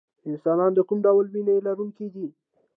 انسان د کوم ډول وینې لرونکی دی